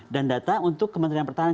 dan data untuk kementerian pertahanan